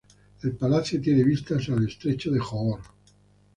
El palacio tiene vistas al estrecho de Johor.